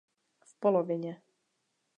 V polovině.